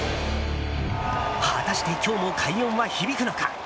果たして今日も快音は響くのか。